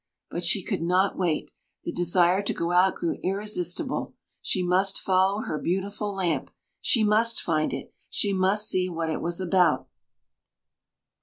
But she could not wait. The desire to go out grew irresistible. She must follow her beautiful lamp! She must find it! She must see what it was about!